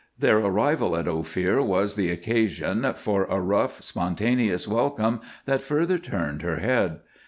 Their arrival at Ophir was the occasion for a rough, spontaneous welcome that further turned her head.